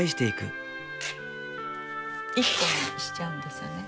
一本にしちゃうんですよね。